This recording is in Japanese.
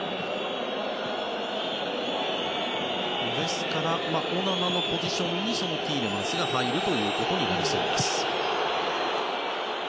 ですから、オナナのポジションにティーレマンスが入ることになりそうです。